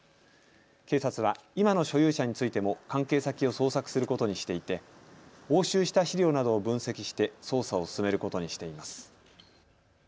警察は今の所有者についても関係先を捜索することにしていて押収した資料などを分析して捜査を進めることにしています。